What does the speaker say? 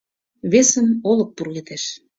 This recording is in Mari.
Весым Олык пургедеш.